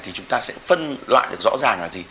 thì chúng ta sẽ phân loại được rõ ràng là gì